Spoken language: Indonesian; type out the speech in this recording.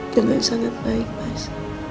dengan sangat baik mas